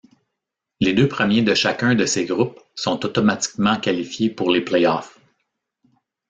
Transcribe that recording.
Les deux premiers de chacun de ces groupes sont automatiquement qualifiés pour les Playoffs.